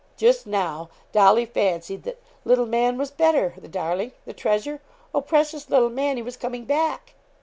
Just now, Dolly fancied that 'little man was better the darling! the treasure! oh, precious little man! He was coming back!'